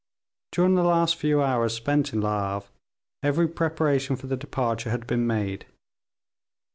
During the last few hours spent in Le Havre, every preparation for the departure had been made.